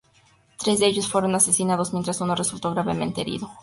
Tres de ellos fueron asesinados mientras uno resultó gravemente herido.